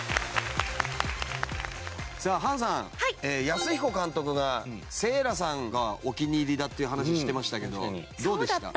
安彦監督がセイラさんがお気に入りだっていう話をしてましたけどどうでした？